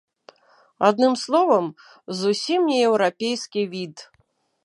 Адным словам, зусім не еўрапейскі від.